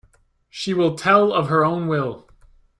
She will tell of her own will.